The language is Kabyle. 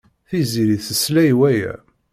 Tiziri tesla i waya.